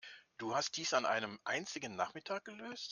Du hast dies an einem einzigen Nachmittag gelöst?